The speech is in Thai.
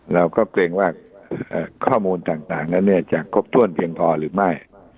เราก็เกรงว่าข้อมูลต่างนั้นจะครบถ้วนเพียงพอหรือไม่